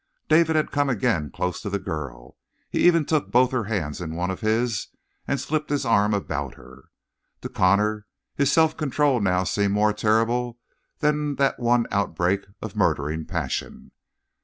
David had come again close to the girl; he even took both her hands in one of his and slipped his arm about her. To Connor his self control now seemed more terrible than that one outbreak of murdering passion.